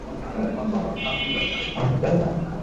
বড়গাছ বা ফলের গাছ না থাকায় পাখিও নেই তেমন।